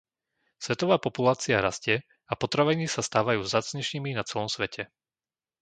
Svetová populácia rastie a potraviny sa stávajú vzácnejšími na celom svete.